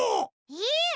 えっ！